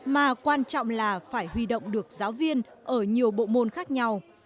mà quan trọng là phải huy động được giáo viên ở nhiều bộ môn khác nhau